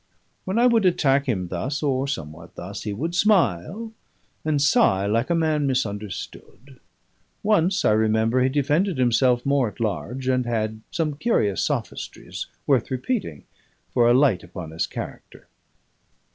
When I would attack him thus (or somewhat thus) he would smile, and sigh like a man misunderstood. Once, I remember, he defended himself more at large and had some curious sophistries, worth repeating, for a light upon his character.